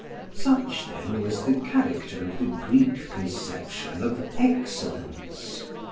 Such, then, was the character of the Greek conception of excellence.